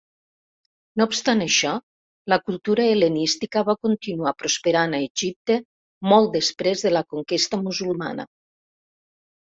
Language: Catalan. No obstant això, la cultura Hel·lenística va continuar prosperant a Egipte molt després de la conquesta musulmana.